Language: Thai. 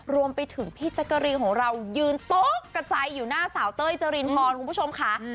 รวมไปถึงพี่แจ๊กกะรีนของเรายืนโต๊ะกระจายอยู่หน้าสาวเต้ยเจรินพรคุณผู้ชมค่ะ